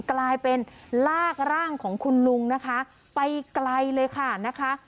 กลายเป็นลากร่างของคุณลุงนะคะไปไกลเลยค่ะนะคะ